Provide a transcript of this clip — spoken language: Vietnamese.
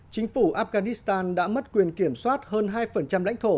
chính phủ afghanistan đã mất quyền kiểm soát hơn hai lãnh thổ